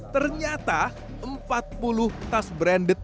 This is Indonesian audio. ternyata empat puluh tas branded